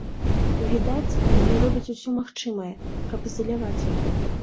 І відаць, яны робяць усё магчымае, каб ізаляваць яго.